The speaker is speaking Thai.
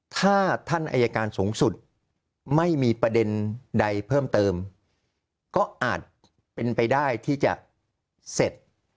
ถ้าท่านอายการสูงสุดไม่มีประเด็นใดเพิ่มเติมก็อาจเป็นไปได้ที่จะเสร็จ